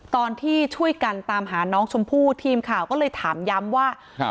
ตอนที่ช่วยกันตามหาน้องชมพู่ทีมข่าวก็เลยถามย้ำว่าครับ